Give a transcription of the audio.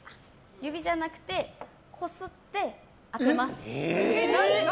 指じゃなくてこすって当てます。